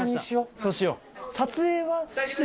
そうしよう。